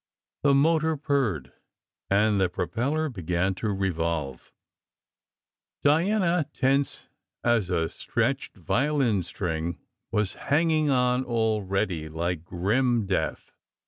The motor purred, and the propeller began to revolve. Diana, tense as a stretched violin string, was hanging on already, like grim death.